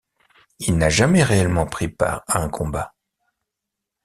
Il n'a jamais réellement pris part à un combat.